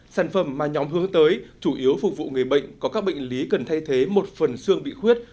sản phẩm mà nhóm hướng tới chủ yếu phục vụ người bệnh có các bệnh lý cần thay thế một phần xương bị khuyết